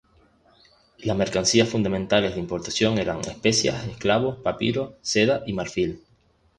Las mercancías fundamentales de importación eran especias, esclavos, papiro, seda y marfil.